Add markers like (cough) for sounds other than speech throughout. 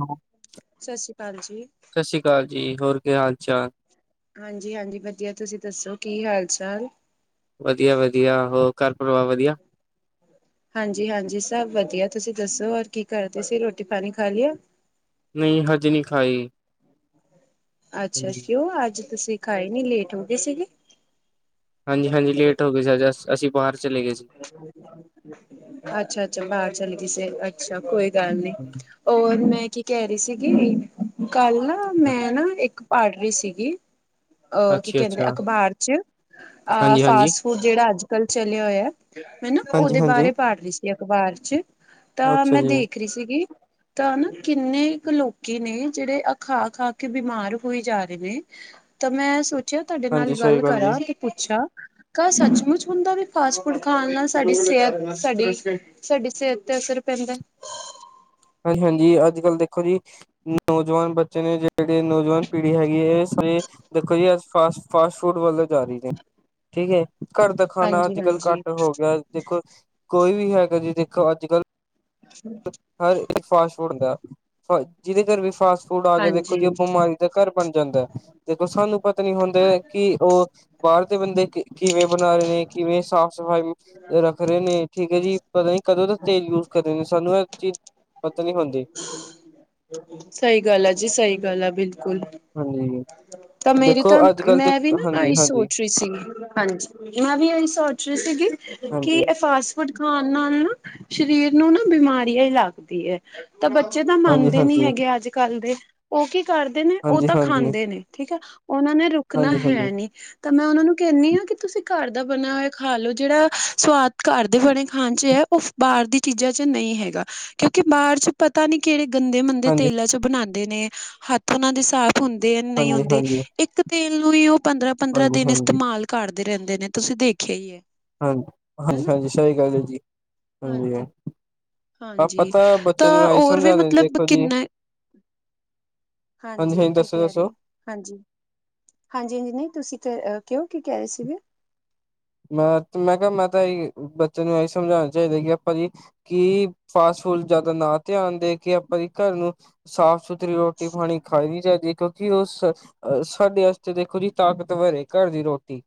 ਹੂੰ ਸਤਿ ਸ਼੍ਰੀ ਅਕਾਲ ਜੀ। ਸਤਿ ਸ਼੍ਰੀ ਅਕਾਲ ਜੀ ਹੋਰ ਕੀ ਹਾਲ ਚਾਲ ਹਾਂਜੀ ਹਾਂਜੀ ਵਧੀਆ ਤੁਸੀਂ ਦੱਸੋ ਕੀ ਹਾਲ ਚਾਲ? ਵਧੀਆ ਵਧੀਆ ਹੋਰ ਘਰ ਪਰਿਵਾਰ ਵਧੀਆ ਹਾਂਜੀ ਹਾਂਜੀ ਸਭ ਵਧੀਆ ਤੁਸੀਂ ਦੱਸੋ ਔਰ ਕੀ ਕਰਦੇ ਸੀ। ਰੋਟੀ ਪਾਣੀ ਖਾ ਲਿਓ। ਨਹੀਂ ਹਜ ਨਹੀਂ ਖਾਈ। ਅੱਛਾ ਕਿਉਂ ਅੱਜ ਤੁਸੀਂ ਖਾਏ ਨੀ ਲੇਟ ਹੋ ਗਏ ਸੀਗੇ। ਹਾਂਜੀ ਹਾਂਜੀ ਲੇਟ ਹੋ ਗਏ ਸੀ। ਅੱਜ ਅਸੀਂ ਬਾਹਰ ਚਲੇ ਗਏ ਸੀ। ਅੱਛਾ ਅੱਛਾ ਬਾਹਰ ਚਲੇ ਕਿਸੇ ਅੱਛਾ ਕੋਈ ਗੱਲ ਨੀ ਹੋਰ ਮੈਂ ਕੀ ਕਹਿ ਰਹੀ ਸੀਗੀ ਕੱਲ ਨਾ ਮੈਂ ਨਾ ਇੱਕ ਪੜ ਰਹੀ ਸੀਗੀ ਅਹ ਕੀ ਅੱਛਾ ਕਹਿੰਦੇ ਅੱਛਾ ਅਖਬਾਰ ਚ ਅ ਹਾਂਜੀ ਹਾਂਜੀ ਫਾਸ ਜਿਹੜਾ ਅੱਜ ਕੱਲ। ਚੱਲਿਆ ਹੋਇਆ ਮੈਂ ਨਾ ਹਾਂਜੀ ਉਹਦੇ ਹਾਂਜੀ ਬਾਰੇ ਪੜ੍ਹ ਰਹੀ ਸੀ। ਅਖ਼ਬਾਰ 'ਚ ਤਾਂ ਅੱਛਾ ਮੈਂ ਜੀ ਦੇਖ ਰਹੀ ਸੀਗੀ। ਤਾਂ ਹਨਾ ਕਿੰਨੇ ਕੁ ਲੋਕੀ ਨੇ ਜਿਹੜੇ ਖਾ ਖਾ ਕੇ ਬਿਮਾਰ ਹੋਈ ਜਾ ਰਹੇ ਨੇ। ਤਾਂ ਮੈਂ ਸੋਚਿਆ ਤੁਹਾਡੇ ਹਾਂਜੀ ਨਾਲ ਸਹੀ ਗੱਲ ਜੀ ਕਰਾਂ ਤੇ ਪੁੱਛਾਂ ਕ ਸੱਚਮੁੱਚ ਹੁੰਦਾ ਵੀ ਫਾਸ ਗੁੜ ਖਾਣ ਨਾਲ ਸਾਡੀ ਸਿਹਤ ਸਾਡੀ ਸਾਡੀ ਸਿਹਤ ਤੇ ਅਸਰ ਪੈਂਦਾ। ਹਾਂਜੀ ਹਾਂਜੀ ਅੱਜ ਕੱਲ ਦੇਖੋ ਜੀ ਨੌਜਵਾਨ ਬੱਚੇ ਨੇ ਜਿਹੜੀ ਨੌਜਵਾਨ ਪੀੜੀ ਹੈਗੀ ਹੈ ਸਾਰੇ ਦੇਖੋ ਜੀ ਐਸ ਫਾਸਟ ਫਾਸਟ ਫੂਡ ਵੱਲੋਂ ਜਾ ਰਹੀ ਨੇ ਠੀਕ ਹੈ। ਘਰ ਦਾ ਖਾਣਾ ਹਾਂਜੀ ਅੱਜ ਕੱਲ ਹਾਂਜੀ ਘੱਟ ਹੋ ਗਿਆ ਦੇਖੋ ਕੋਈ ਵੀ ਹੈਗਾ ਜੀ ਦੇਖੋ ਅੱਜ ਕੱਲ (inaudible) ਹਰ ਇੱਕ ਫਾਸਟ ਫੂਡ ਹੁੰਦਾ ਜਿਹਦੇ ਘਰ ਵੀ ਫਾਸਟ ਫੂਡ ਆ ਕੇ ਦੇਖੋ ਹਾਂਜੀ ਜੇ ਉਹ ਬਿਮਾਰੀ। ਦੇ ਘਰ ਬਣ ਜਾਂਦਾ ਹੈ ਦੇਖੋ ਸਾਨੂੰ ਪਤਾ ਨੀ ਹੁੰਦਾ ਕਿ ਉਹ ਬਾਹਰ ਦੇ ਬੰਦੇ ਕਿਵੇਂ ਬਣਾ ਰਹੇ ਨੇ ਕਿਵੇਂ ਸਾਫ ਸਫਾਈ। ਰੱਖ ਰਹੇ ਨੇ ਠੀਕ ਹੈ ਜੀ ਪਤਾ ਨੀ ਕਦੋਂ ਦਾ ਤੇਲ ਯੂਜ ਕਰ ਸਾਨੂੰ ਇਹ ਚੀਜ਼ ਪਤਾ ਨੀ ਹੁੰਦੀ। ਸਹੀ ਗੱਲ ਆ ਜੀ ਸਹੀ ਗੱਲ ਆ ਬਿਲਕੁਲ। ਹਾਂਜੀ ਤਾਂ ਮੇਰੀ ਦੇਖੋ ਤਾਂ ਅੱਜ ਕੱਲ ਦੇ ਮੈਂ ਵੀ ਨਾ ਹਾਂਜੀ ਆਈ ਹਾਂਜੀ ਸੋਚ ਰਹੀ ਸੀਗੀ ਹਾਂਜੀ। ਮੈਂ ਵੀ ਇਹੀ ਸੋਚ ਰਹੀ ਸੀਗੀ ਕਿ ਹਾਂਜੀ ਅਫਾਸ ਫੂਡ ਖਾਣ ਨਾਲ ਨਾ ਸਰੀਰ ਨੂੰ ਨਾ ਬਿਮਾਰੀਆਂ ਹੀ ਲੱਗਦੀ ਹੈ। ਤਾਂ ਬੱਚੇ ਤਾਂ ਹਾਂਜੀ ਮੰਨਦੇ ਨੀ ਹਾਂਜੀ ਹੈਗੇ ਅੱਜ ਕੱਲ ਦੇ ਉਹ ਕੀ ਕਰਦੇ ਨੇ ਉਹ ਤਾਂ ਹਾਂਜੀ ਖਾਂਦੇ ਨੇ ਠੀਕ ਹੈ ਉਹਨਾਂ ਨੇ ਰੁਕਣਾ ਹਾਂਜੀ ਹੈ ਹਾਂਜੀ ਨਹੀਂ। ਤਾਂ ਮੈਂ ਉਹਨਾਂ ਨੂੰ ਕਹਿੰਦੀ ਹਾਂ ਕਿ ਤੁਸੀਂ ਘਰ ਦਾ ਬਣਿਆ ਹੋਇਆ ਖਾ ਲਓ ਜਿਹੜਾ ਸਵਾਦ ਘਰ ਦੇ ਬਣੇ ਖਾਣ 'ਚ ਹੈ ਉਹ ਬਾਹਰ ਦੀ ਚੀਜ਼ਾਂ ਚ ਨਹੀਂ ਹੈਗਾ। ਕਿਉਂਕਿ ਬਾਹਰ ਚ ਪਤਾ ਨੀ ਕਿਹੜੇ ਗੰਦੇ ਮੰੰਦੇ ਤੇਲਾਂ ਚ ਬਣਾਉਂਦੇ ਨੇ ਹੱਥ ਉਹਨਾਂ ਦੇ ਸਾਫ਼ ਹੁੰਦੇ ਹੈ ਨਹੀਂ ਹਾਂਜੀ ਹੁੰਦੇ ਹਾਂਜੀ ਹਾਂਜੀ ਇੱਕ ਤੇਲ ਨੂੰ ਹੀ ਉਹ ਪੰਦਰਾਂ ਪੰਦਰਾਂ ਹਾਂਜੀ ਹਾਂਜੀ ਦਿਨ ਹਾਂਜੀ ਇਸਤੇਮਾਲ ਕਰਦੇ ਰਹਿੰਦੇ ਨੇ ਤੁਸੀਂ ਦੇਖਿਆ ਹੀ। ਹਾਂਜੀ ਹਨਾ। ਹਾਂਜੀ ਸਹੀ ਗੱਲ ਹੈ ਜੀ ਹਾਂਜੀ ਆਪਾਂ ਹਾਂਜੀ ਤਾਂ। ਨੂੰ ਤਾਂ ਆਹੀ ਹੋਰ ਵੀ ਸਮਝਾਉਣੇ ਮਤਲਬ ਦੇਖੋ ਜੀ ਕਿੰਨਾ ਹਾਂਜੀ ਕੀ ਕਹਿ ਰਹੇ। ਹਾਂਜੀ ਹਾਂਜੀ ਨਿੰਨੀ ਤੁਸੀਂ ਤੇ ਕਿਉਂ ਕੀ ਕਹਿ ਰਹੇ ਸੀਗੇ। ਮੈਂ ਤਾਂ ਕਿਹਾ ਮੈਂ ਤਾਂ ਬੱਚੇ ਨੂੰ ਇਹੀ ਸਮਝਾਉਣਾ ਚਾਹੀਦਾ ਕਿ ਆਪਾਂ ਜੀ ਕਿ ਫਾਸਟ ਫੂਡ ਜ਼ਿਆਦਾ ਨਾ ਧਿਆਨ ਦੇ ਕੇ ਆਪਣੇ ਘਰ ਨੂੰ ਸਾਫ਼ ਸੁਥਰਾ ਫਿਰ ਰੋਟੀ-ਪਾਣੀ ਖਾਈ ਵੀ ਜਾਂਦੀ ਕਿਉ। ਕਿ ਉਹ ਸਾਡੇ ਵਾਸਤੇ ਦੇਖੋ ਜੀ ਤਾਕਤਵਾਰ ਘਰ ਦੀ ਰੋਟੀ।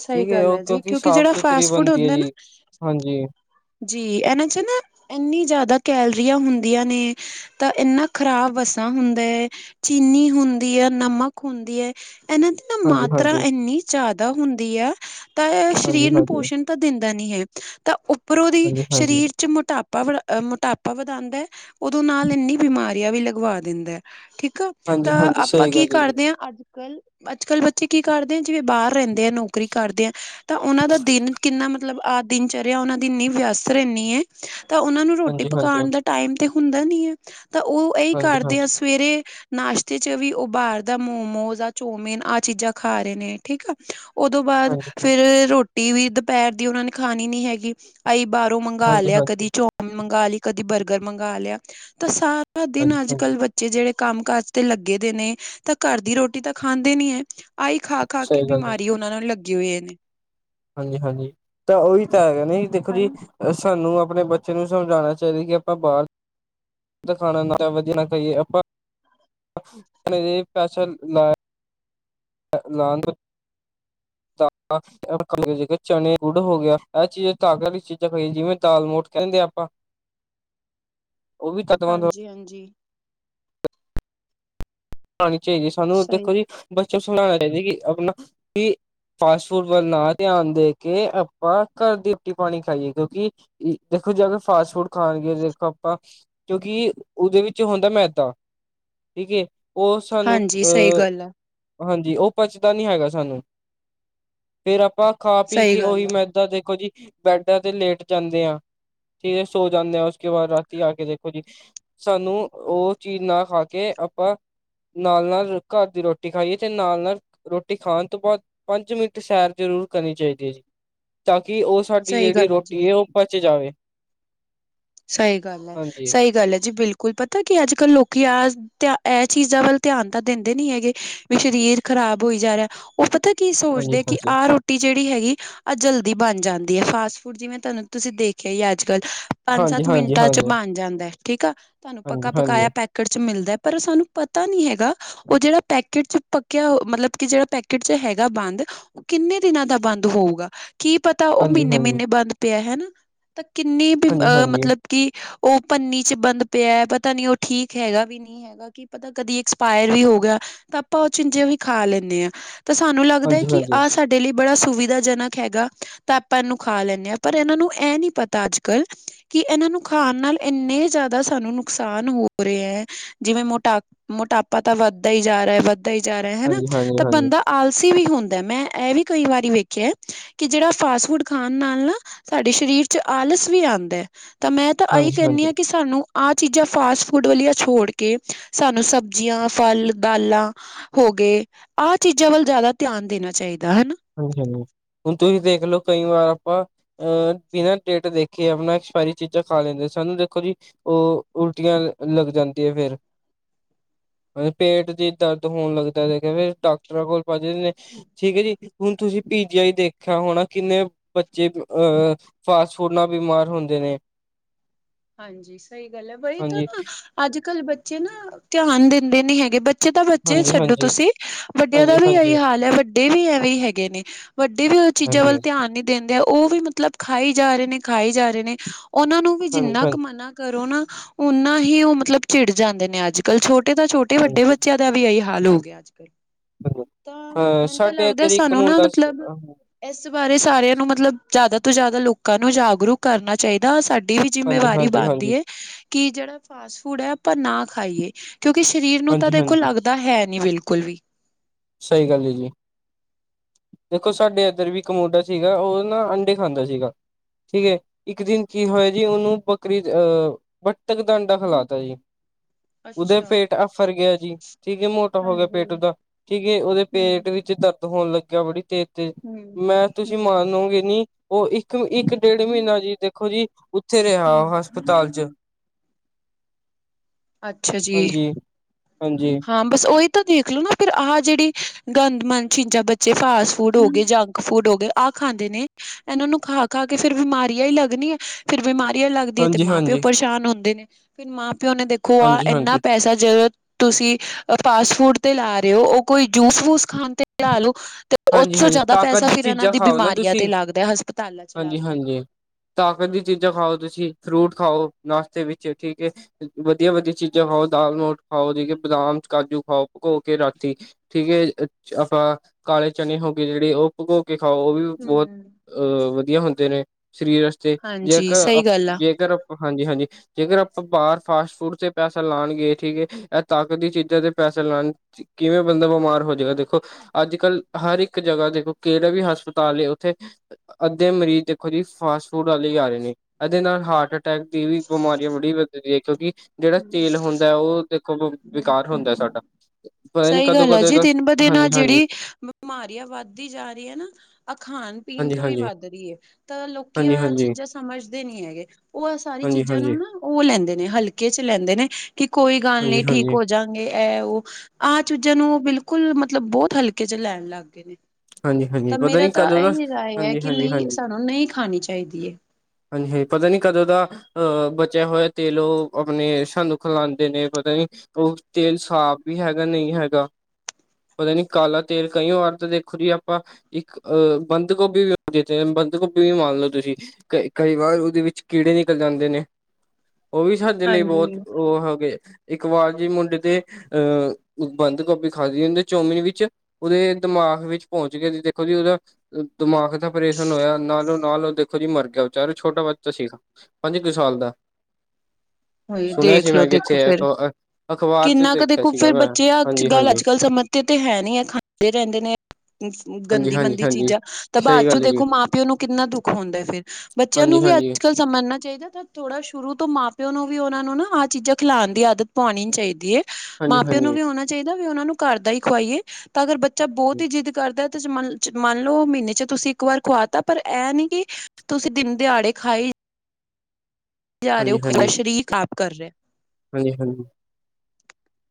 ਸਹੀ ਠੀਕ ਗੱਲ ਉਹ ਹੈ ਜੀ ਕਿਉਂਕਿ ਸਾਫ਼ ਜਿਹੜਾ ਸੁਥਰੀ ਫਾਸਟ ਫੂਡ ਬਣਦੀ ਹੈ ਹੁੰਦਾ ਨਾ ਜੀ ਹਾਂਜੀ ਜੀ ਇਹਨਾਂ'ਚ ਨਾ ਇੰਨੀ ਜ਼ਿਆਦਾ ਕੈਲਰੀਆਂ ਹੁੰਦੀਆਂ ਨੇ ਤਾਂ ਇੰਨਾ ਖ਼ਰਾਬ ਵਸਾ ਹੁੰਦਾ। ਚੀਨੀ ਹੁੰਦੀ ਹੈ ਨਮਕ ਹੁੰਦੀ ਹੈ। ਇਹਨਾਂ ਦੀ ਨਾ ਹਾਂਜੀ ਮਾਤਰਾ ਹਾਂਜੀ ਇੰਨੀ ਜ਼ਿਆਦਾ ਹੁੰਦੀ। ਹੁੰਦੀ ਹਾਂ ਤਾਂ ਇਹ ਹਾਂਜੀ ਸਰੀਰ ਨੂੰ ਹਾਂਜੀ ਪੋਸ਼ਣ ਤਾਂ ਦਿੰਦਾ ਨੀ ਹੈ ਤਾਂ ਉੱਪਰੋਂ ਦੀ ਹਾਂਜੀ ਹਾਂਜੀ ਸਰੀਰ। ਵਿੱਚ ਮੋਟਾਪਾ ਮੋਟਾਪਾ ਵਧਾਉਂਦਾ। ਉਦੋਂ ਨਾਲ ਇੰਨੀ ਬਿਮਾਰੀਆਂ ਵੀ ਲਗਵਾ ਦਿੰਦਾ ਹੈ ਠੀਕ। ਕਬ ਹਾਂਜੀ ਤੱਕ ਹਾਂਜੀ ਆਪਾਂ ਸਹੀ ਕੀ ਗੱਲ ਹੈ ਜੀ ਕਰਦੇ ਹਾਂ ਅੱਜ ਕੱਲ ਅੱਜ ਕੱਲ ਬੱਚੇ ਕੀ ਕਰਦੇ ਆ ਜਿਵੇਂ ਬਾਹਰ ਰਹਿੰਦੇ ਆ। ਨੌਕਰੀ ਕਰਦੇ ਆ ਤਾਂ ਉਹਨਾਂ ਦਾ ਦਿਨ ਕਿੰਨਾ ਮਤਲਬ ਆ ਦਿਨ ਚਰਿਆ ਉਹਨਾਂ ਦੀ ਇੰਨੀ ਵਿਅਸਤ ਰਹਨੀ ਹੈ ਤਾਂ ਉਹਨਾਂ ਨੂੰ ਰੋਟੀ ਹਾਂਜੀ ਹਾਂਜੀ ਪਕਾਉਣ ਦਾ। ਟਾਈਮ ਤੇ ਹੁੰਦਾ ਨੀ ਹੈ ਤਾਂ ਉਹ ਇਹੀ ਹਾਂਜੀ ਕਰਦੇ ਆ ਹਾਂਜੀ ਸਵੇਰੇ ਨਾਸ਼ਤੇ ਚ ਵੀ ਉਹ ਬਾਹਰ ਦਾ ਮੋਮੋਸ ਆਹ ਚੋਮਿਨ ਆਹ ਚੀਜ਼ਾਂ ਖਾ ਰਹੇ ਨੇ ਠੀਕ ਆ। ਉਹਦੋਂ ਬਾਅਦ ਹਾਂਜੀ ਫਿਰ ਰੋਟੀ ਵੀ ਦੁਪਹਿਰ ਦੀ ਉਹਨਾ ਨੇ ਖਾਣੀ ਨੀ ਹੈਗੀ। ਅਸੀਂ ਬਾਹਰੋਂ ਮੰਗਵਾ ਹਾਂਜੀ ਲਿਆ ਕਦੀ ਹਾਂਜੀ ਚੌਮਿਨ ਮੰਗ ਲਈ ਕਦੀ ਬਰਗਰ ਮੰਗਵਾ ਲਿਆ ਤਾਂ ਸਾਰ ਸਾਰਾ ਦਿਨ ਹਾਂਜੀ ਹਾਂਜੀ ਅੱਜ-ਕੱਲ ਬੱਚੇ ਜਿਹੜੇ ਕੰਮ ਕਾਜ ਤੇ ਲੱਗੇ ਦੇ ਨੇ ਤਾਂ ਘਰ ਦੀ ਰੋਟੀ ਤਾਂ ਖਾਂਦੇ ਨੀ ਹੈ। ਆਈ ਖਾ-ਖਾ ਕੇ ਸਹੀ ਗੱਲ ਹੈ। ਬਿਮਾਰੀ ਉਹਨਾਂ ਨੂੰ ਲੱਗੀ ਹੋਈ ਜੀ। ਹਾਂਜੀ-ਹਾਂਜੀ, ਤਾਂ ਉਹੀ ਤਾਂ ਹੈਗਾ ਦੇਖੋ ਜੀ। ਹਨ ਸਾਨੂੰ ਆਪਣੇ ਬੱਚੇ ਨੂੰ ਸਮਝਾਉਣਾ ਚਾਹੀਦਾ ਕਿ ਆਪਾਂ ਬਾਹਰ ਬਾਹਰ ਦਾ ਖਾਣਾ ਨਾ ਵਧੀਆ ਨਾ ਖਾਈਏ ਆਪਾਂ ਏਨੇ ਪੈਸੇ ਲਾ ਲਾਂ ਦ (unintelligible) (unintelligible) ਚਨੇ, ਗੁੜ ਹੋ ਗਿਆ ਇਹ ਚੀਜ਼ਾਂ ਤਾਕਤ ਵਾਲੀ ਚੀਜ਼ਾਂ ਖਾਈ, ਜਿਵੇਂ ਦਾਲ ਮੋਠ ਕਹਿੰਨੇ ਆਪਾਂ। (inaudible) ਉਹ ਵੀ ਤੱਤਵੰਦ ਹਾਂਜੀ-ਹਾਂਜੀ। ਖ਼ਾਣੀ ਚਾਹੀਦੀ ਸਾਨੂੰ ਸਹੀ ਦੇਖੋ ਜੀ ਬੱਚੇ ਨੂੰ ਸੋਚਣਾ ਚਾਹੀਦਾ ਅਪਣਾ ਕਿ ਫਾਸਟ ਫੂਡ ਵੱਲ ਨਾ ਧਿਆਨ ਦੇ ਕੇ, ਆਪਾਂ ਘਰ ਦੀ ਰੋਟੀ-ਪਾਣੀ ਖਾਈਏ ਕਿਉਂਕਿ ਦੇਖੋ ਜੇ ਅਗਰ ਫਾਸਟ ਫੂਡ ਖਾਨਗੇ ਦੇਖੋ ਆਪਾਂ ਕਿਉਂਕਿ ਉਹਦੇ ਵਿੱਚ ਹੁੰਦਾ ਮੈਦਾ ਠੀਕ ਏ। ਉਹ ਸਾਨੂੰ ਹਾਂਜੀ ਸਹੀ ਅ ਗੱਲ ਆ, ਹਾਂਜੀ, ਉਹ ਪਚਦਾ ਨੀ ਹੈਗਾ ਸਾਨੂੰ ਫੇਰ ਆਪਾਂ ਖਾ ਪੀ ਸਹੀ ਕੇ ਗੱਲ ਉਹੀ ਆ, ਮੈ ਦ ਦੇਖੋ ਜੀ ਬੈਡ ਦੇ ਉਤੇ ਲੇਟ ਜਾਂਦੇ ਆ। ਫੇਰ ਸੋ ਜਾਂਦੇ ਹਾਂ ਉਸਕੇ ਬਾਅਦ ਰਾਤੀ ਆ ਕੇ ਦੇਖੋ ਜੀ ਸਾਨੂੰ ਉਹ ਚੀਜ਼ ਨਾ ਖਾ ਕੇ ਆਪਾਂ ਨਾਲ-ਨਾਲ ਘਰ ਦੀ ਰੋਟੀ ਖਾਈਏ ਤੇ ਨਾਲ-ਨਾਲ ਰੋਟੀ ਖਾਨ ਤੋਂ ਬਾਅਦ ਪੰਜ ਮਿੰਟ ਸੈਰ ਜ਼ਰੂਰ ਕਰਨੀ ਚਾਹੀਦੀ ਹੈ ਤਾਂ ਕਿ ਉਸ ਸਾਡੀ ਸਹੀ ਜਿਹੜੀ ਗੱਲ ਆ ਜੀ। ਰੋਟੀ ਏ, ਉਹ ਪਚ ਜਾਵੇ। ਸਹੀ ਗੱਲ ਹੈ, ਹਾਂਜੀ ਸਹੀ ਗੱਲ ਹੈ ਜੀ। ਬਿਲਕੁਲ ਪਤਾ ਕੀ ਅੱਜ ਕੱਲ ਲੋਕੀ ਆ ਤੇ ਇਹ ਚੀਜ਼ਾਂ ਵੱਲ ਧਿਆਨ ਤਾਂ ਦਿੰਦੇ ਨੀ ਹੈਗੇ ਵੀ ਸ਼ਰੀਰ ਖ਼ਰਾਬ ਹੋਈ ਜਾ ਰਿਹਾ। ਉਹ ਪਤਾ ਕੀ ਹਾਂਜੀ ਸੋਚਦੇ ਕਿ ਹਾਂਜੀ ਆਹ ਰੋ ਰੋਟੀ ਜਿਹੜੀ ਹੈਗੀ, ਆਹ ਜਲਦੀ ਬਨ ਜਾਂਦੀ ਏ ਫਾਸਟ ਫੂਡ ਜਿਵੇਂ ਤੁਹਾਨੂੰ ਤੁਸੀਂ ਦੇਖਿਆ ਹੀ ਅੱਜ ਕੱਲ੍ਹ ਹਾਂਜੀ ਪੰਜ-ਸੱਤ ਹਾਂਜੀ ਮਿੰਟਾਂ ਚ ਹਾਂਜੀ ਬਨ ਜਾਂਦਾ ਠੀਕ ਆ ਤੁਹਾਨੂੰ ਪੱਕਾ ਹਾਂਜੀ ਪਕਾਇਆ ਪੈ ਹਾਂਜੀ ਪੈਕਟ ਚ ਮਿਲਦਾ ਪਰ ਸਾਨੂੰ ਪਤਾ ਨੀ ਹੈਗਾ ਉਹ ਜਿਹੜਾ ਪੈਕਟ'ਚ ਪੱਕਿਆ ਮਤਲਬ ਕਿ ਜਿਹੜਾ ਪੈਕੇਟ ਚ ਹੈਗਾ ਬੰਦ ਕਿੰਨੇ ਦਿਨਾਂ ਦਾ ਬੰਦ ਹੋਊਗਾ, ਕੀ ਪਤਾ ਉਹ ਹਾਂਜੀ ਮਹੀਨੇ-ਮਹੀਨੇ ਬੰਦ ਪਿਆ ਹੈਨ ਤਾਂ ਕਿੰਨੀ ਹਾਂਜੀ ਹਾਂਜੀ ਹਾਂਜੀ ਅਹ ਮਤਲਬ ਹਾਂਜੀ ਕਿ ਉਹ ਪੰਨੀ'ਚ ਬੰਦ ਪਿਆ ਪਤਾ ਨੀ ਉਹ ਠੀਕ ਹੈਗਾ ਵੀ ਨਹੀਂ ਹੈਗਾ। ਕੀ ਪਤਾ ਕਦੀ ਐਕਸਪਾਇਰ ਵੀ ਹੋ ਗਿਆ, ਤਾਂ ਆਪਾਂ ਉਹ ਚੀਜ਼ਾਂ ਵੀ ਖਾ ਲੈਂਦੇ ਹਾਂ। ਤੇ ਸਾਨੂੰ ਲੱਗਦਾ ਕਿ ਆਹ ਹਾਂਜੀ ਸਾਡ ਦੇ ਲਈ ਬੜਾ ਸੁਵਿਧਾ ਜਨਕ ਹੈਗਾ ਤਾਂ ਆਪਾਂ ਇਹਨੂੰ ਖਾ ਲੈਂਨੇ ਹਾਂ ਪਰ ਇਹਨਾਂ ਨੂੰ ਇਹ ਨੀ ਪਤਾ ਅੱਜ ਕੱਲ ਕੀ ਇਹਨਾਂ ਨੂੰ ਖਾਨ ਨਾਲ ਇੰਨੇ ਜ਼ਿਆਦਾ ਸਾਨੂੰ ਨੁਕਸਾਨ ਹੋ ਰਹੇ ਹੈ। ਜਿਵੇਂ ਮੋਟਾ ਮੋਟਾਪਾ ਤਾਂ ਵੱਧਦਾ ਹੀ ਜਾ ਰਿਹਾ ਵੱਧਦਾ ਹੀ ਜਾ ਰਿਹਾ ਹੈਨਾ ਹਾਂਜੀ ਹਾਂਜੀ ਤਾਂ ਹਾਂਜੀ ਬੰਦਾ ਆਲਸੀ ਵੀ ਹੁੰਦਾ ਮੈਂ ਇਹ ਵੀ ਕਈ ਵਾਰੀ ਵੇਖਿਆ ਕਿ ਜਿਹੜਾ ਫਾਸਟ ਫੂਡ ਖਾਨ ਨਾਲ ਨਾ ਸਾਡੇ ਸਰੀਰ ਚ ਆਲਸ ਵੀ ਆਂਦਾ ਤਾਂ ਮੈਂ ਤਾਂ ਇਹੀ ਹਾਂਜੀ, ਕਹਿੰਨੀ ਹਾਂਜੀ, ਆ ਕਿ ਸਾਨੂੰ ਆਹ ਚੀਜ਼ਾਂ ਫਾਸਟ ਫੂਡ ਵਾਲੀਆਂ ਛੋੜ ਕੇ ਸਾਨੂੰ ਸਬਜ਼ੀਆਂ ਫਲ ਦਾਲਾਂ ਹੋ ਗਏ ਆਹ ਚੀਜ਼ਾਂ ਵੱਲ ਜ਼ਿਆਦਾ ਧਿਆਨ ਦੇਨਾ ਚਾਹੀਦਾ ਹਨਾ। ਹਾਂਜੀ-ਹਾਂਜੀ, ਹੁਨ ਤੁਸੀਂ ਦੇਖ ਲੋ ਕਈ ਵਾਰ ਆਪਾਂ ਅ ਬਿਨਾਂ ਡੇਟ ਦੇਖੇ ਅਪਨਾ ਐਕਸਪਾਇਰੀ ਚੀਜ਼ਾਂ ਖਾ ਲੈਂਦੇ ਸਾਨੂੰ ਦੇਖੋ ਜੀ ਉਹ ਉਲਟੀਆਂ ਲੱਗ ਜਾਂਦੀ ਏ ਫੇਰ। ਪੇਟ'ਚ ਦਰਦ ਹੋਨ ਲੱਗਦਾ, ਫੇਰ ਡਾਕਟਰਾਂ ਕੋਲ ਭਜਦੇ ਨੇ ਠੀਕ ਹੈ ਜੀ ਹੁਨ ਤੁਸੀਂ ਪੀ ਜੀ ਆਈ ਦੇਖਿਆ ਹੋਣਾ, ਕਿੰਨੇ ਬੱਚੇ ਅਹ ਫਾਸਟ ਫੂਡ ਨਾਲ ਬਿਮਾਰ ਹੁੰਦੇ ਨੇ। ਹਾਂਜੀ, ਸਹੀ ਗੱਲ ਹੈ ਬਈ ਤਾਂ ਹਾਂਜੀ, ਨਾ ਅੱਜਕੱਲ੍ਹ ਬੱਚੇ ਨਾ ਧਿਆਨ ਦਿੰਦੇ ਨੀ ਹੈਗੇ ਬ ਬੱਚੇ ਤਾਂ ਬੱਚੇ ਹਾਂਜੀ, ਛੱਡੋ ਹਾਂਜੀ, ਤੁਸੀਂ ਵੱਡਿਆਂ ਦਾ ਹਾਂਜੀ, ਵੀ ਇਹੀ ਹਾਂਜੀ, ਹਾਲ ਹੈ ਵੱਡੇ ਵੀ ਐਵੇਂ ਹੈਗੇ ਨੇ। ਵਡੇ ਵੀ ਉਹ ਚੀਜ਼ਾਂ ਵੱਲ ਹਾਂਜੀ, ਧਿਆਨ ਨੀ ਦੇਂਦੇ ਉਹ ਵੀ ਮਤਲਬ ਖਾਈ ਜਾ ਰਹੇ ਨੇ ਖਾਈ ਜਾ ਰਹੇ ਨੇ ਉਹਨਾਂ ਨੂੰ ਵੀ ਹਾਂਜੀ, ਜਿੰਨਾ ਹਾਂਜੀ, ਨਾ ਕਰੋ ਨਾ ਓਨਾ ਹੀ ਉਹ ਮਤਲਬ ਚਿੜ ਜਾਂਦੇ ਨੇ ਅੱਜ ਕੱਲ੍ਹ ਛੋਟੇ ਤਾਂ ਛੋਟੇ ਤੇ ਵੱਡੇ ਹਾਂਜੀ, ਬੱਚਿਆਂ ਦਾ ਵੀ ਇਹੀ ਹਾਲ ਹੋ ਗਿਆ ਅੱਜ ਕਲ੍ਹ। ਹਾਂਜੀ। ਤਾਂ ਅਹ ਮੈਨੂੰ ਤਾਂ ਸਾਡੇ ਲੱਗਦਾ ਇੱਧਰ ਇੱਕ ਸਾਨੂੰ ਨਾ ਮੁੰਡਾ ਸੀ- ਮਤਲਬ ਇਸ ਬਾਰੇ ਸਾਰਿਆਂ ਨੂੰ ਮਤਲਬ ਜ਼ਿਆਦਾ ਤੋਂ ਜ਼ਿਆਦਾ ਲੋਕਾਂ ਨੂੰ ਜਾਗਰੁਕ ਕਰਨਾ ਚਾਹੀਦਾ ਸਾਡੀ ਵੀ ਹਾਂਜੀ, ਜਿੰਮੇਵਾਰੀ ਹਾਂਜੀ, ਬਣਦੀ ਹਾਂਜੀ, ਹੈ ਕਿ ਜਿਹੜਾ ਫਾਸਟ ਫੂਡ ਹੈ ਆਪਾਂ ਨਾ ਖਾਈਏ ਕਿਉਂਕਿ ਸਰੀਰ ਨੂੰ ਤਾਂ ਹਾਂਜੀ, ਦੇਖੋ ਹਾਂਜੀ। ਲੱਗਦਾ ਦਾ ਹੈ ਨੀ ਬਿਲਕੁਲ ਵੀ ਸਹੀ ਗੱਲ ਹੈ ਜੀ। ਦੇਖੋ, ਸਾਡੇ ਇੱਧਰ ਵੀ ਇੱਕ ਮੁੰਡਾ ਸੀਗਾ, ਉਹ ਨਾ ਅੰਡੇ ਖਾਂਦਾ ਸੀਗਾ। ਠੀਕ ਹੈ, ਇੱਕ ਦਿਨ ਕੀ ਹੋਇਆ ਜੀ ਉਹਨੂੰ ਬੱਕਰੀ ਅਹ ਬਟਕ ਦਾ ਅੰਡਾ ਖਿਲਾ ਤਾ ਜੀ। ਉਹਦਾ ਅੱਛਾ ਪੇਟ ਆਫਰ ਗਿਆ ਜੀ, ਠੀਕ ਮੋਟਾ ਹੋ ਗਿਆ ਹਾਂਜੀ ਪੇਟ ਉਹਦਾ ਠੀਕ ਉਹਦੇ ਹਮ ਪੇਟ ਵਿੱਚ ਦਰਦ ਹੋਣ ਲੱਗਿਆ ਬੜੀ ਤੇਜ਼ ਤੇ ਹਮ ਮੈਂ ਤੁਸੀਂ ਹਮ ਮਾਰਨੋਗੇ ਨੀ। ਉਹ ਇੱਕ ਇੱਕ ਡੇਢ ਮਹੀਨਾ ਜੀ ਦੇਖੋ ਜੀ, ਉੱਥੇ ਰਿਹਾ ਹਮ ਉਹ ਹਸਪਤਾਲ ਚ। ਅੱਛਾ ਜੀ, ਹਾਂਜੀ ਹਾਂਜੀ ਹਾਂ। ਬਸ ਉਹੀ ਤਾਂ ਦੇਖਲੋ ਨਾ ਫਿਰ ਆਹ, ਜਿਹੜੀ ਗੰਦ ਮਨ ਚੀਜਾਂ ਬ ਬੱਚੇ ਫਾਸਟ ਫੂਡ ਹੋ ਗਏ, ਜੰਕ ਫੂਡ ਹੋ ਗਏ ਆਹ ਖਾਂਦੇ ਨੇ ਇਹਨਾਂ ਨੂੰ ਖਾ ਖਾ ਕੇ ਫਿਰ ਬਿਮਾਰੀਆਂ ਹੀ ਲੱਗਦੀੀਆਂ, ਫਿਰ ਬਿਮਾਰੀਆਂ ਲੱਗਦੀ ਹੈ ਤੇ ਹਾਂਜੀ ਮਾਂ ਪਿਓ ਹਾਂਜੀ ਪਰੇਸ਼ਾਨ ਹੁੰਦੇ ਨੇ। ਫਿਰ ਮਾਂ ਪਿਓ ਨੇ ਦੇਖੋ, ਆਹ ਹਾਂਜੀ ਇੰਨਾ ਹਾਂਜੀ ਪੈਸਾ ਜ਼ਰੂਰ ਤੁਸੀਂ ਫਾਸਟ ਫੂਡ ਤੇ ਲਾ ਰਹੇ ਹੋ ਉਹ ਕੋਈ ਜੂਸ, ਵੂਸ ਖਾਣ ਤੇ ਲਾ ਲਓ। ਹਾਂਜੀ ਉਸ ਤੋਂ ਹਾਂਜੀ ਜ਼ਿਆਦਾ ਤਾਕਤ ਪੈਸਾ ਫਿਰ ਇਹਨਾਂ ਚੀਜ਼ਾਂ ਦੀ ਖਾਓ ਨਾ ਬਿਮਾਰੀਆਂ ਤੁਸੀਂ ਤੇ ਲੱਗਦਾ, ਹਸਪਤਾਲਾਂ ਚ ਲੱਗਦਾ। ਹਾਂਜੀ-ਹਾਂਜੀ। ਤਾਕਤ ਦੀ ਚੀਜ਼ਾਂ ਖਾਓ, ਤੁਸੀਂ ਫਰੂਟ ਖਾਓ ਨਾਸ਼ਤੇ ਵਿੱਚ ਠੀਕ ਹੈ। ਵਧੀਆ, ਵਧੀਆ ਚੀਜ਼ਾਂ ਖਾਓ, ਦਾਲ ਮੋਟ ਖਾਓ ਜ ਬਦਾਮ ਕਾਜੂ ਖਾਓ ਭਕੋ ਕੇ ਰਾਤੀ। ਠੀਕ ਹੈ। (unintelligible) ਕਾਲੇ ਚਨ ਹੋ ਗਏ ਜਿਹੜੇ ਉਹ ਭਗੋ ਕੇ ਖਾਓ ਉਹ ਵੀ ਬਹੁਤ ਹੂੰ ਅਹ ਵਧੀਆ ਹੁੰਦੇ ਨੇ। ਸਰੀਰ ਤੇ ਹਾਂਜੀ ਜੇਕਰ, ਸਹੀ ਗੱਲ ਆ ਜੇਕਰ ਹਾਂਜੀ, ਹਾਂਜੀ। ਜੇਕਰ ਆਪਾਂ ਬਾਹਰ ਫਾਸਟ ਫੂਡ ਤੇ ਪੈਸਾ ਲਾਉਣਗੇ ਠੀਕ ਹੈ ਇਹ ਤਾਕਤ ਦੀ ਚੀਜ਼ਾਂ ਤੇ ਪੈਸਾ ਲਾਉਣ ਕਿਵੇਂ ਬੰਦਾ ਬਿਮਾਰ ਹੋ ਜਾਏਗਾ? ਦੇਖੋ ਅੱਜ ਅ ਕੱਲ ਹਰ ਇੱਕ ਜਗ੍ਹਾ ਦੇਖੋ ਕੇੜਾ ਵੀ ਹਸਪਤਾਲ, ਉੱਥੇ ਅੱਧੇ ਮਰੀਜ਼ ਦੇਖੋ ਜੀ, ਫਾਸਟ ਫੂਡ ਵਾਲੇ ਆ ਰਹੇ ਨੇ। ਇਹਦੇ ਨਾਲ ਹਾਰਟ ਅਟੈਕ ਦੀ ਵੀ ਬਿਮਾਰੀਆਂ ਬੜੀ ਵੱਧਦੀ ਹੈ ਕਿਉਂਕਿ ਜਿਹੜਾ ਹੂੰ ਤੇਲ ਹੁੰਦਾ ਉਹ ਦੇਖੋ ਬੇਕਾਰ ਹੁੰਦਾ ਸਾਡਾ ਪਤਾ ਨੀ ਕਦੋਂ ਕਦੇੋਂ ਤਾਂ ਦੇ ਨਾਲ ਜਿਹੜੀ ਬਿਮਾਰੀ ਆ ਵੱਧਦੀ ਜਾ ਰਹੀ ਹੈ ਨਾ ਆਹ ਖਾਣ, ਪੀਣ ਹਾਂਜੀ ਤੋਂ ਹੀ ਹਾਂਜੀ ਵੱਧ ਰਹੀ ਹੈ। ਤਾਂ ਲੋਕੀ ਹਾਂਜੀ ਆਹ ਹਾਂਜੀ ਚੀਜ਼ਾਂ ਸਮਝਦੇ ਨੀ ਹੈਗੇ ਉਹ ਆਹ ਸਾਰੀ ਹਾਂਜੀ ਚੀਜ਼ਾਂ ਨੂੰ ਹਾਂਜੀ ਨਾ ਉਹ ਲੈਂਦੇ ਨੇ ਹਲਕੇ ਚ ਲੈਂਦੇ ਨੇ ਕਿ ਕੋਈ ਗੱਲ ਨਹੀਂ, ਹਾਂਜੀ ਠੀਕ ਹਾਂਜੀ ਹੋ ਜਾਂਾਂਗੇ (unintelligible) ਇਹ ਉਹ ਆਹ ਚੀਜਾਂ ਨੂੰ ਉਹ ਬਿਲਕੁਲ ਮਤਲਬ ਬਹੁਤ ਹਲਕੇ ਚ ਲੈਣ ਲੱਗ ਗਏ। ਨੇ। ਹਾਂਜੀ ਹਾਂਜੀ ਤਾਂ ਪਤਾ ਮੇਰਾ ਨੀ ਤਾਂ ਕਦੋਂ ਦਾ ਇਹੀ ਰਾਏ ਹੈ ਹਾਂਜੀ ਕਿ ਹਾਂਜੀ ਨਹੀਂ, ਹਾਂਜੀ ਸਾਨੂੰ ਨਹੀਂ ਖਾਣੀ ਚਾਹੀਦੀ ਹੈ। ਹਾਂਜੀ, ਪਤਾ ਨੀ ਕਦੋਂ ਦਾ? ਅਹ ਬਚਿਆ ਹੋਇਆ ਤੇਲ ਆਪਣੇ ਸਾਨੂੰ ਖਲਾਂਂਦੇ ਨੇ ਪਤਾ ਨੀ। ਉਹ ਤੇਲ ਸਾਫ਼ ਵੀ ਹੈਗਾ ਨਹੀਂ ਹੈਗਾ ਪਤਾ ਨੀ ਕਾਲਾ ਤੇਲ ਕਈ ਵਰਤ ਦੇ। ਜੀ, ਆਪਾਂ ਇੱਕ ਅ ਬੰਦ ਗੋਭੀ ਵੀ ਬੰਦ ਗੋਭੀ ਵੀ ਮੰਨ ਲਓ ਤੁਸੀਂ। ਕਈ, ਕਈ ਵਾਰ ਉਹਦੇ ਵਿੱਚ ਕੀੜੇ ਨਿਕਲ ਜਾਂਦੇ ਨੇ ਉਹ ਵੀ ਸਾਡੇ ਲਈ ਹਾਂਜੀ ਬਹੁਤ ਉਹ ਹੋ ਗਏ। ਇੱਕ ਵਾਰ ਜੇ ਮੁੰਡੇ ਤੇ ਅਹ ਬੰਦ ਗੋਭੀ ਖਾਦੀ ਉਂਦੀ ਚੋਮੀਨ ਵਿੱਚ ਉਹਦੇ ਦਿਮਾਗ ਵਿੱਚ ਪਹੁੰਚ ਗਿਆ ਜ ਦੇਖੋ ਜੀ, ਉਹਦਾ। ਦਿਮਾਗ ਦਾ ਪਰੇਸ਼ਨ ਹੋਇਆ ਨਾਲੋਂ, ਨਾਲ ਉਹ ਦੇਖੋ ਜੀ ਮਰ ਗਿਆ ਵਿਚਾਰਾ ਛੋਟਾ ਬੱਚਾ ਸੀਗਾ। ਪੰਜ ਕੁ ਸਾਲ ਦਾ। ਸੁਣਿਆ ਸੀ ਦੇਖਲੋ, ਮੈਂ ਦੇਖੋ ਕਿੱਥੇ ਫੇਿਰ ਅਖ਼ਬਾਰ ਚ ਕਿੰਨਾ ਕੁ ਦੇਖਿਆ ਦੇਖੋ ਸੀਗਾ ਫੇਰ ਮੈਂ ਬੱਚੇ ਹਾਂਜੀ ਗੱਲ ਹਾਂਜੀ ਅੱਜ ਕੱਲ ਸਮਝ ਤੇ ਹੈ ਨੀ ਹੈ, ਖਾਂਦੇ ਰਹਿੰਦੇ ਨੇ। ਹਾਂਜੀ ਗੰਦੀ, ਹਾਂਜੀ ਮੰੰਦੀ ਹਾਂਜੀ ਚੀਜ਼ਾਂ ਤਾਂ ਬਾਅਦ ਸਹੀ ਚੋਂ ਗੱਲ ਜੀ ਦੇਖੋ ਮਾਂ ਪਿਓ ਨੂੰ ਕਿੰਨਾ ਦੁੱਖ ਹੁੰਦਾ ਫਿਰ। ਬੱਚਿਆਂ ਨੂੰ ਵੀ ਹਾਂਜੀ-ਹਾਂਜੀ, ਅੱਜ ਕੱਲ੍ਹ ਸਮਜਨਾ ਚਾਹੀਦਾ ਤਾਂ ਥੋੜਾ ਸ਼ੁਰੂ ਤੋਂ ਮਾਂ ਪਿਓ ਨੂੰ ਵੀ ਉਹਨਾਂ ਨੂੰ ਨਾ ਆਹ ਚੀਜ਼ਾਂ ਖਿਲਾਉਣ ਦੀ ਆਦਤ ਪਾਉਣੀ ਚਾਹੀਦੀ ਹੈ। ਮਾਂ ਪਿਓ ਨੂੰ ਹਾਂਜੀ-ਹਾਂਜੀ, ਵੀ ਹੋਣਾ ਚਾਹੀਦਾ ਵੀ ਉਹਨਾ ਨੂੰ ਘਰ ਦਾ ਹੀ ਖਵਾਈਏ ਤਾਂ ਅਗਰ ਬੱਚੇ ਚਾ ਬਹੁਤ ਹੀ ਜਿੱਦ ਕਰਦਾ ਹੈ ਤੇ ਮਨ ਮੰਨ ਲਓ ਮਹੀਨੇ ਚ ਤੁਸੀਂ ਇੱਕ ਵਾਰ ਖਵਾ ਤਾ ਪਰ ਇਹ ਨੀ ਕਿ ਤੁਸੀਂ ਦਿਨ ਦਿਹਾੜੇ ਖਾਈ ਜਾ ਰਹੇ ਹੋ ਆਪਣਾ ਸ਼ਰੀਰ ਖਰਾਬ ਕਰ ਰਿਹਾ। ਹਾਂਜੀ, ਹਾਂਜੀ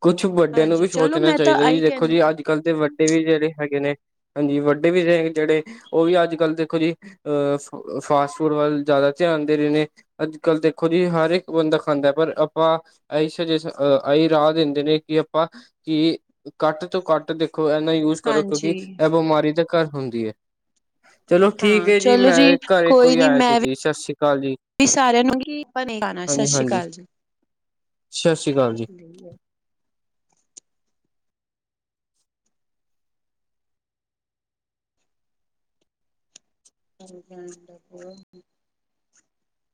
ਕੁਛ ਵੱਡਿਆਂ ਨੂੰ ਹਾਂਜੀ ਵੀ ਚਲੋ ਸੋਚਣਾ ਮੈਂ ਤਾਂ ਚਾਹੀਦਾ ਜੀ, ਆਈ ਦੇਖੋ ਜੀ ਕਹਿੰਦੀ ਅੱਜ ਅੱਜ ਕੱਲ੍ਹ ਦੇ ਵੱਡੇ ਵੀ ਜਿਹੜੇ ਹੈਗੇ ਨੇ ਹਾਂਜੀ ਵੱਡੇ ਵੀ ਜਿਹੜੇ ਉਹ ਵੀ ਅੱਜ ਕੱਲ ਦੇਖੋ ਜੀ ਅਹ ਫਾਸਟ ਫੂਡ ਵੱਲ ਜ਼ਿਆਦਾ ਧਿਆਨ ਦੇ ਰਹੇ ਨੇ। ਅੱਜ ਕੱਲ੍ਹ ਦੇਖੋ ਜੀ ਹਰ ਇੱਕ ਬੰਦਾ ਖਾਂਦਾ ਹੈ ਪਰ ਆਪਾਂ ਇ ਸੁਜੇਸ ਇਹੀ ਰਾਹ ਦਿੰਦੇ ਨੇ ਕਿ ਆਪਾਂ ਕੀ ਘੱਟ ਤੋਂ ਘੱਟ ਦੇਖੋ ਇਹ ਨਾ ਯੂਜ ਕਰੋ ਕਿਉਂਕਿ ਹਾਂਜੀ ਇਹ ਬਿਮਾਰੀ ਤਾਂ ਘਰ ਹੁੰਦੀ ਹੈ। ਚਲੋ ਠੀਕ ਹਾਂ ਹੈ ਜੀ ਚਲੋ ਮੈਂ ਘਰ ਇੱਕੋ ਕੋਈ ਹੀ ਨੀ ਆਇਆ ਸੀ ਮੈਂ ਜੀ ਸਤਿ ਸ੍ਰੀ ਅਕਾਲ ਜੀ। ਵੀ ਸਾਰਿਆਂ ਨੂੰ ਹੀ ਬਣੇ ਖਾਣਾ ਸਤਿ ਸ੍ਰੀ ਹਾਂਜੀ-ਹਾਂਜੀ। ਅਕਾਲ ਜੀ। ਸਤਿ ਸ਼੍ਰੀ ਅਕਾਲ ਜੀ। (unintelligible)